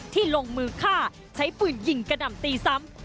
ลงมือฆ่าใช้ปืนยิงกระหน่ำตีซ้ำ